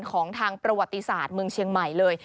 ของทางประวัติศาสตร์เมืองเชียงใหม่เลย